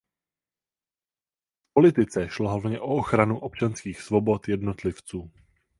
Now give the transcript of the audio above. V politice šlo hlavně o ochranu občanských svobod jednotlivců.